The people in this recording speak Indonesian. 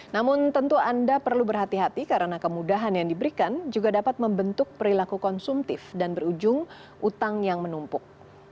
namun tentu anda perlu berhati hati karena kemudahan yang diberikan juga dapat membentuk perilaku konsumtif dan berujung utang yang menumpuk